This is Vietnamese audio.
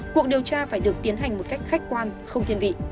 cuộc điều tra phải được tiến hành một cách khách quan không thiên vị